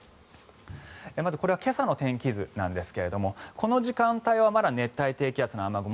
まず、これは今朝の天気図なんですがこの時間帯はまだ熱帯低気圧の雨雲